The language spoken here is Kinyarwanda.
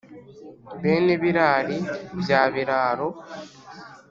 Bene Birari bya Biraro,